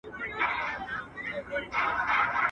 په ټول ښار کي مي دښمن دا یو قصاب دی.